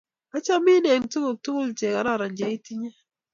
achamin eng' tuguk tugul che kararan cheitinye